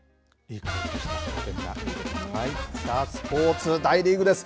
スポーツ大リーグです。